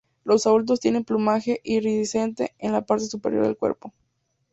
Los adultos tienen plumaje iridiscente en la parte superior del cuerpo.